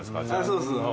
そうそう。